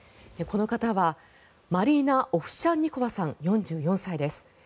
この方はマリーナ・オフシャンニコワさん４４歳です。